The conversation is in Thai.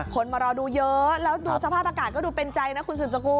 คนมารอดูเยอะแล้วดูสภาพอากาศก็ดูเป็นใจนะคุณสืบสกุล